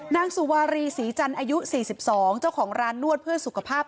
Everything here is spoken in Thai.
นางสุวารีศรีจันทร์อายุ๔๒เจ้าของร้านนวดเพื่อสุขภาพ